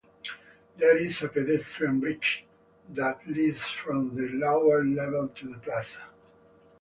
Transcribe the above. There is a pedestrian bridge that leads from the lower level to the Plaza.